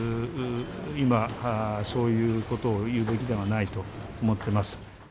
今、そういうことを言うべきではないと思っています。